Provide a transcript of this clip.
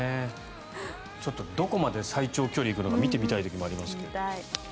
どこまで最長距離行くのか見てみたいですけれど。